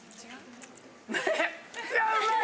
めっちゃうまい！